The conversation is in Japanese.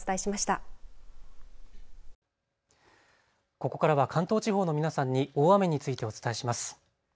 ここからは関東地方の皆さんに大雨についてお伝えします。